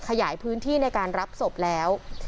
ขยายพื้นที่ในการรับศพแล้ว